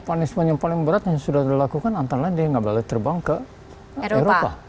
punishment yang paling berat yang sudah dilakukan antara lain dia nggak boleh terbang ke eropa